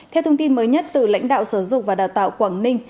theo thông tin mới nhất từ lãnh đạo sở giáo dục và đào tạo quảng ninh